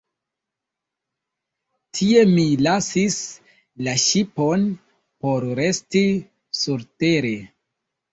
Tie mi lasis la ŝipon, por resti surtere.